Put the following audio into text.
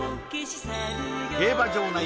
競馬場内